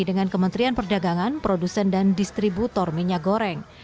dengan kementerian perdagangan produsen dan distributor minyak goreng